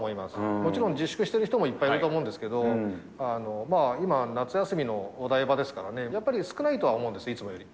もちろん、自粛している人もいっぱいいると思うんですけど、今、夏休みのお台場ですからね、やっぱり少ないとは思うんです、いつもより。